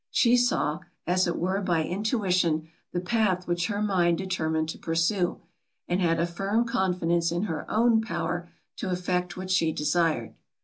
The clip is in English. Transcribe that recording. She saw, as it were by intuition, the path which her mind determined to pursue, and had a firm confidence in her own power to effect what she desired.